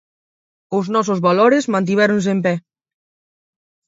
Os nosos valores mantivéronse en pé.